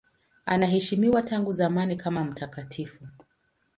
Anaheshimiwa tangu zamani sana kama mtakatifu.